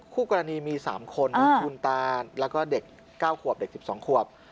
คู่กรณีมี๓คนมีคุณตาแล้วก็เด็ก๙ขวบเด็ก๑๒ขวบ